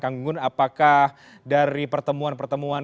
kang gunggun apakah dari pertemuan pertemuan